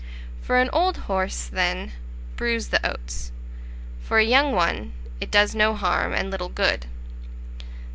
For an old horse, then, bruise the oats; for a young one it does no harm and little good.